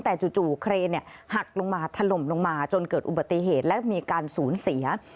แต่จู่เครนหักลงมาถล่มลงมาจนเกิดอุบัติเหตุและมีการสูญเสีย